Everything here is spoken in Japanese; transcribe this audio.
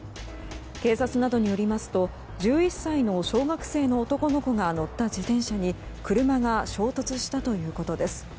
警察などによりますと１１歳の小学生の男の子が乗った自転車に車が衝突したということです。